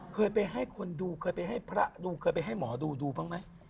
เคยไปให้คนดูเคยไปให้พระดูเคยไปให้หมอดูดูบ้างไหม